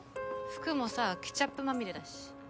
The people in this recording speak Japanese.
服もさケチャップまみれだし。